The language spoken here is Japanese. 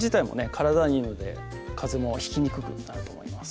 体にいいのでかぜもひきにくくなると思います